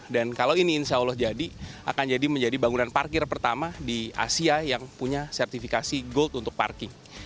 dan kalau ini insya allah jadi akan jadi bangunan parkir pertama di asia yang punya sertifikasi gold untuk parking